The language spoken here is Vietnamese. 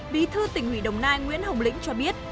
bí thư tỉnh ủy đồng nai nguyễn hồng lĩnh cho biết